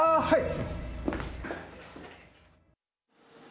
はい。